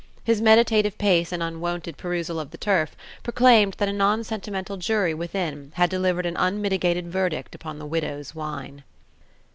His meditative pace and unwonted perusal of the turf proclaimed that a non sentimental jury within had delivered an unmitigated verdict upon the widow's wine.